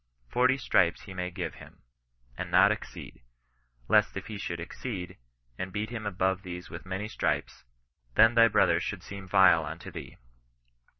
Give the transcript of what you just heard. Forty stripes he may give him, and not exceed : lest if he should ex ceed, and beat hun above these with many stripes, then thy brother should seem vile unto thee."